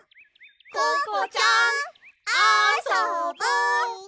ココちゃんあそぼ！